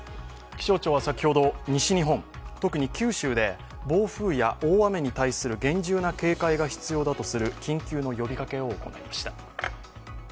気象庁は先ほど西日本、特に九州で暴風や大雨に対する厳重な警戒が必要だとする緊急の呼びかけを行いました。